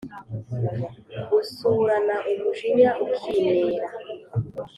Usurana umujinya ukinera.